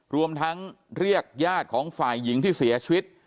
รวมทั้งเรียกญาติของฝ่ายหญิงที่เสียชีวิต